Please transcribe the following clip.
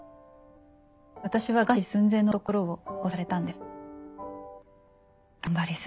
私は餓死寸前のところを保護されたんです。